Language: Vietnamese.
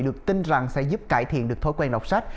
được tin rằng sẽ giúp cải thiện được thói quen đọc sách